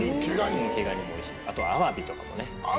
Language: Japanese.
毛ガニもおいしいあとはアワビとかもね。